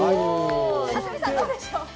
安住さんどうでしょう？